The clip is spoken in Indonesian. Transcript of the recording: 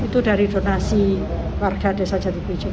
itu dari donasi warga desa jadi pijak